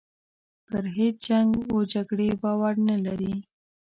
پر هیچ جنګ و جګړې باور نه لري.